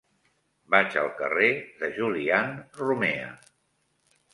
Vaig al carrer de Julián Romea.